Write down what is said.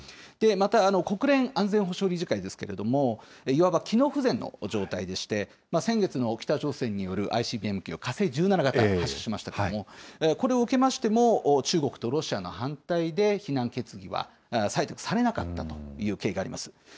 また、国連安全保障理事会ですけれども、いわば機能不全の状態でして、先月の北朝鮮によるＩＣＢＭ級の火星１７型、発射しましたけれども、これを受けましても、中国とロシアの反対で非難決議は採択されなかったという経緯があります。